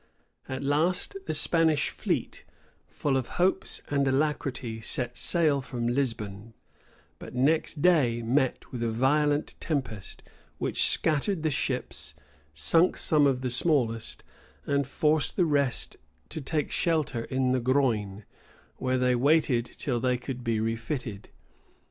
At last the Spanish fleet, full of hopes and alacrity, set sail from Lisbon; but next day met with a violent tempest, which scattered the ships, sunk some of the smallest, and forced the rest to take shelter in the Groine, where they waited till they could be refitted.